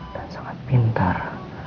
dan sangat pintar